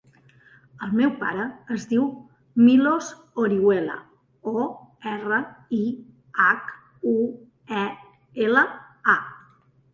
El meu pare es diu Milos Orihuela: o, erra, i, hac, u, e, ela, a.